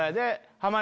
濱家。